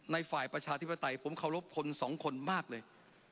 ฝ่ายประชาธิปไตยผมเคารพคนสองคนมากเลย